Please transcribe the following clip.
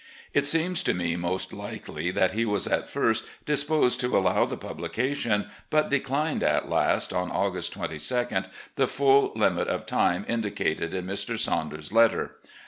It seems to me most likely that he was at first disposed to allow the publication, but declined at last, on August 2 2d, the full limit of time indicated in Mr. Saunders's letter.